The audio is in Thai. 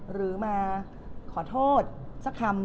หรือมาขอโทษสักคำ